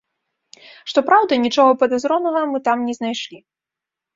Што праўда, нічога падазронага мы там не знайшлі.